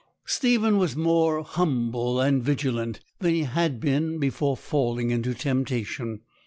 Stephen was more humble and vigilant than he had been before falling into temptation.